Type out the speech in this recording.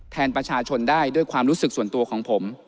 แทนประชาชนได้ด้วยความรู้สึกส่วนตัวของผม